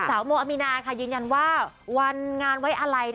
โมอามีนาค่ะยืนยันว่าวันงานไว้อะไร